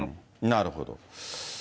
なるほど。